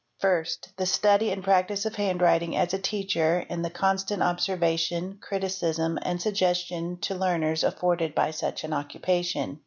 | First. The study and practice of handwriting as a teacher, in the — constant observation, criticism, and suggestion to learners afforded by such an occupation.